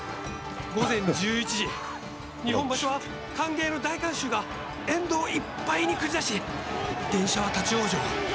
午前１１時日本橋は歓迎の大観衆が沿道いっぱいに繰り出し電車は立ち往生」。